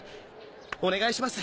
お願いします！